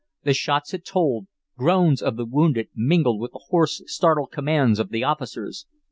The shots had told. Groans of the wounded mingled with the hoarse, startled commands of the officers.